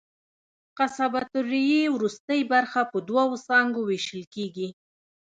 قصبة الریې وروستۍ برخه په دوو څانګو وېشل کېږي.